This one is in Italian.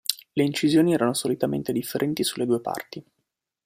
Le incisioni erano solitamente differenti sulle due parti.